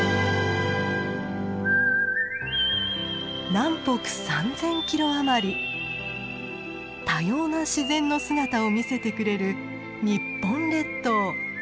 南北３，０００キロ余り多様な自然の姿を見せてくれる日本列島。